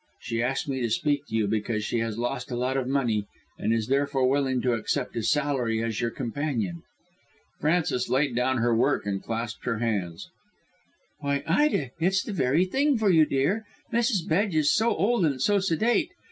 She asked me to speak to you because she has lost a lot of money, and is therefore willing to accept a salary as your companion." Frances laid down her work and clasped her hands. "Why, Ida, it's the very thing for you, dear. Mrs. Bedge is so old and so sedate.